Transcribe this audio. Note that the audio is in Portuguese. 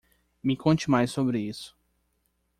Me conte mais sobre isso.